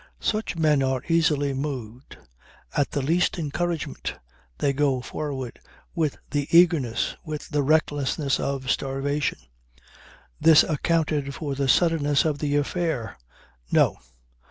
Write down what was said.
Such men are easily moved. At the least encouragement they go forward with the eagerness, with the recklessness of starvation. This accounted for the suddenness of the affair. No!